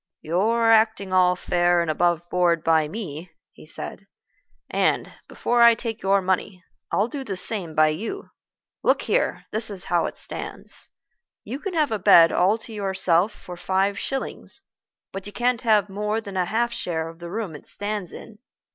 "You're acting all fair and aboveboard by me," he said, "and, before I take your money, I'll do the same by you. Look here; this is how it stands. You can have a bed all to yourself for five shillings, but you can't have more than a half share of the room it stands in.